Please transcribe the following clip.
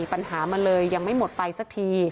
ปัญหามันเลยยังไม่หมดไปสักที